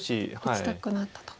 打ちたくなったと。